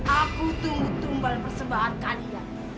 aku tunggu tumbal persembahan kalian